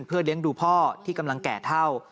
เพื่อเลี้ยงดูพ่อที่กำลังแก่เท่า